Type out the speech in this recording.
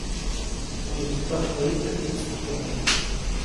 ʼOyuʼtsi täjkäyi teʼ ʼiʼpstäjkomo.